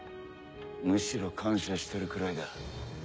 むしろ感謝してるくらいだ。